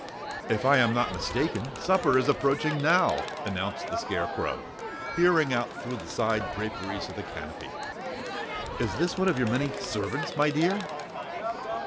"If I am not mistaken, supper is approaching now!" announced the Scarecrow, peering out through the side draperies of the Canopy. "Is this one of your many servants, my dear?"